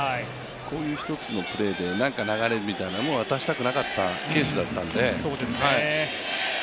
こういう１つのプレーで流れみたいなものを渡したくなかったケースだったんで。